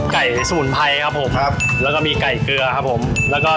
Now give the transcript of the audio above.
ไก่สูญไพครับ